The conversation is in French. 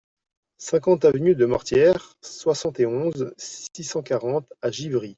cinquante avenue de Mortières, soixante et onze, six cent quarante à Givry